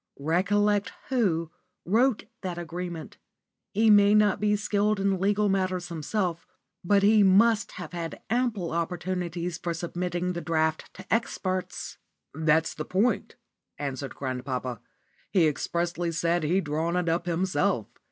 Recollect Who wrote that agreement. He may not be skilled in legal matters himself, but he must have had ample opportunities for submitting the draft to experts." "That's the point," answered grandpapa. "He expressly said he'd drawn it up himself.